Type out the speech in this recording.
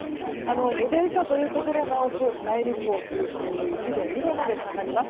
５度以下というところが多く内陸を中心に１度、２度まで下がります。